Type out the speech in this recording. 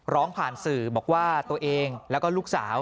ร้องผ่านสื่อบอกว่าตัวเองแล้วก็ลูกสาว